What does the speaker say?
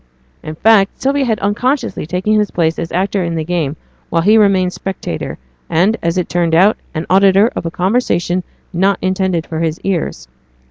In fact, Sylvia had unconsciously taken his place as actor in the game while he remained spectator, and, as it turned out, an auditor of a conversation not intended for his ears.